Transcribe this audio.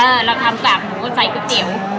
เราทำกากหมูใส่ก๋วยเตี๋ยว